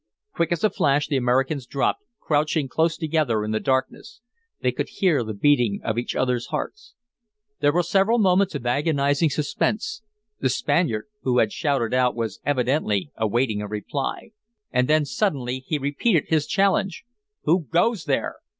Quick as a flash the Americans dropped, crouching close together in the darkness. They could hear the beating of each others' hearts. There were several moments of agonizing suspense; the Spaniard who had shouted out was evidently awaiting a reply. And then suddenly he repeated his challenge. "Who goes there?"